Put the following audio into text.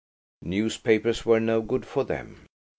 Newspapers were no good for them.